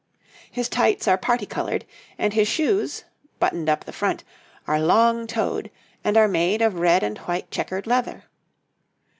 His tights are parti coloured, and his shoes, buttoned up the front, are long toed and are made of red and white chequered leather.